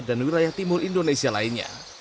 dan wilayah timur indonesia lainnya